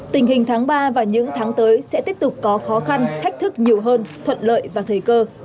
tình hình tháng ba và những tháng tới sẽ tiếp tục có khó khăn thách thức nhiều hơn thuận lợi và thời cơ